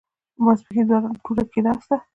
ماسپښين دوړه کېناسته.